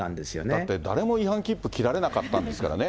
だって誰も違反切符、切られなかったんですからね。